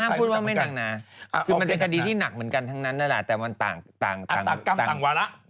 อย่าคุยว่าไม่หนักนะคือมันเป็นคดีที่หนักเหมือนกันแต่มันต่างความ